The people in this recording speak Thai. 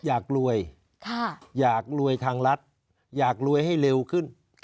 อยากรวยอยากรวยทางรัฐอยากรวยให้เร็วขึ้น